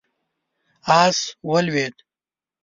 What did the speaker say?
آس ولوېد.